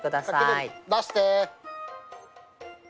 翔出して。